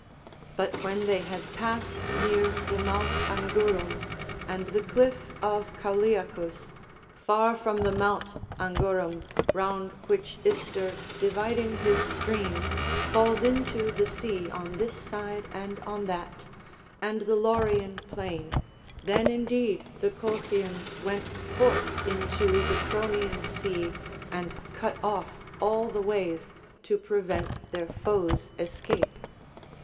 But when they had passed near the mount Angurum, and the cliff of Cauliacus, far from the mount Angurum, round which Ister, dividing his stream, falls into the sea on this side and on that, and the Laurian plain, then indeed the Colchians went forth into the Cronian sea and cut off all the ways, to prevent their foes' escape.